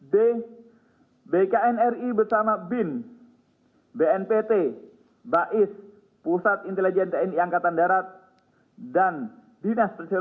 d bknri bersama bin bnpt bais pusat intelijen tni angkatan darat dan dinas sosial